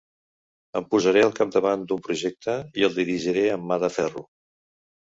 Em posaré al capdavant d'un projecte i el dirigiré amb mà de ferro.